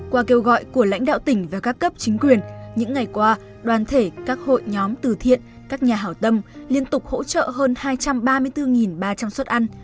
qua kêu gọi của lãnh đạo tỉnh và các cấp chính quyền những ngày qua đoàn thể các hội nhóm từ thiện các nhà hảo tâm liên tục hỗ trợ hơn hai trăm ba mươi bốn ba trăm linh suất ăn